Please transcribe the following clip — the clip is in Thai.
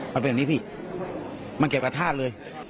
มันเป็นแบบนี้พี่มันเก็บกับทาสเลย